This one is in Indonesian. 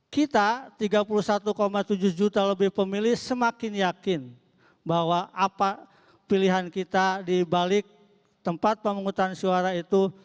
kita tiga puluh satu tujuh juta lebih pemilih semakin yakin bahwa apa pilihan kita di balik tempat pemungutan suara itu